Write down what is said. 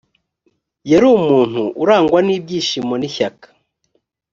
yari umuntu urangwa n ibyishimo n ishyaka